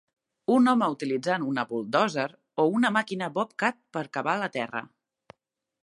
Un home utilitzant una buldòzer o una màquina Bobcat per cavar la terra.